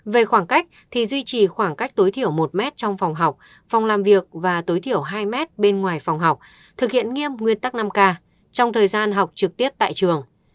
về khoảng cách thì duy trì khoảng cách tối thiểu một mét trong phòng học phòng làm việc và tối thiểu hai mét bên ngoài phòng học thực hiện nghiêm nguyên tắc năm k trong thời gian học trực tiếp tại trường